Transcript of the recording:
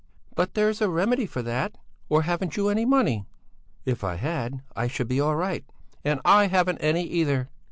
"But there's a remedy for that! Or haven't you any money?" "If I had I should be all right." "And I haven't any either!